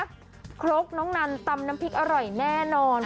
ครกน้องนันตำน้ำพริกอร่อยแน่นอน